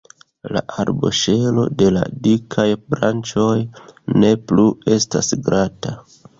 La arboŝelo de la dikaj branĉoj ne plu estas glata.